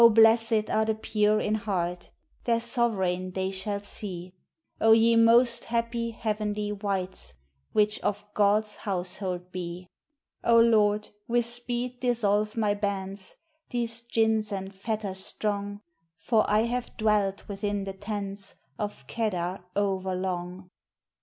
blessèd are the pure in heart Their sovereign they shall see; O ye most happy, heavenly wights, Which of God's household be! O Lord, with speed dissolve my bands, These gins and fetters strong; For I have dwelt within the tents Of Kedar over long.